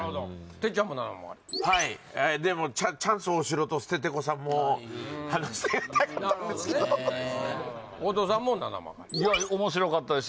てっちゃんもななまがりはいでもチャンス大城とステテコさんも捨てがたかったんですけど後藤さんもななまがり面白かったです